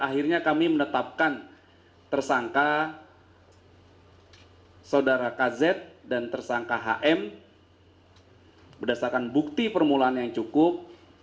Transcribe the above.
akhirnya kami menetapkan tersangka saudara kz dan tersangka hm berdasarkan bukti permulaan yang cukup